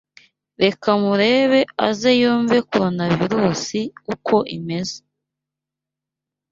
Reka murebe aze yumve Coronavirusi uko imeze.